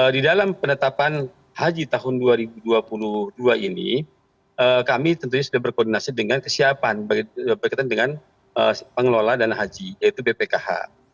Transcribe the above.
di dalam penetapan haji tahun dua ribu dua puluh dua ini kami tentunya sudah berkoordinasi dengan kesiapan berkaitan dengan pengelola dana haji yaitu bpkh